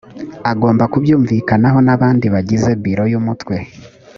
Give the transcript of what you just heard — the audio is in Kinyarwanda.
agomba kubyumvikanaho n ‘abandi bagize biro y ‘umutwe .